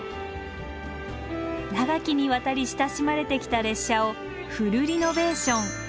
長きにわたり親しまれてきた列車をフルリノベーション。